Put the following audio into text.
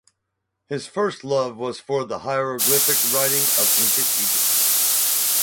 His first love was for the hieroglyphic writing of ancient Egypt.